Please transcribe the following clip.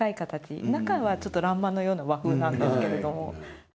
中は欄間のような和風なんですけれども。